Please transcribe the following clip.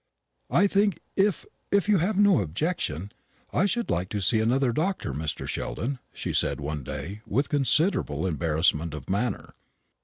"I think if if you have no objection, I should like to see another doctor, Mr. Sheldon," she said one day, with considerable embarrassment of manner.